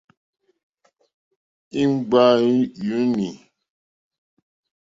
Ìŋɡbá yùùnî.